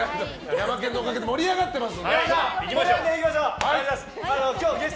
ヤマケンのおかげで盛り上がってますので。